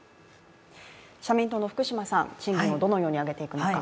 社民党の福島さん、賃金をどのように上げていくのか。